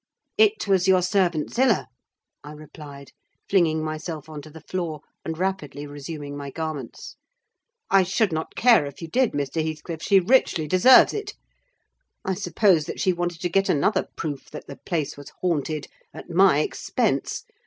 "It was your servant Zillah," I replied, flinging myself on to the floor, and rapidly resuming my garments. "I should not care if you did, Mr. Heathcliff; she richly deserves it. I suppose that she wanted to get another proof that the place was haunted, at my expense.